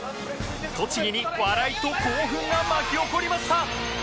栃木に笑いと興奮が巻き起こりました